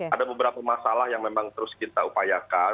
ada beberapa masalah yang memang terus kita upayakan